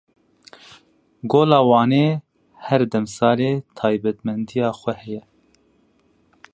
Gola Wanê her demsalê taybetmendiya xwe heye.